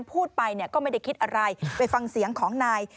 พูดไปเนี่ยก็ไม่ได้คิดอะไรไปฟังเสียงของนาย